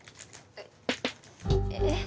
えっえっ？